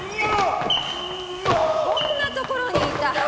こんなところにいた。